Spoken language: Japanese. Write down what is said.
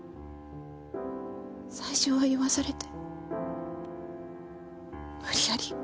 最初は酔わされて無理やり。